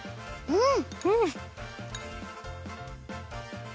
うん。